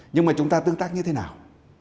nhưng mà chúng ta tương tác như thế nào